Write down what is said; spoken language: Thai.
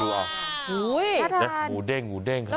โอ้โหเด้งเขา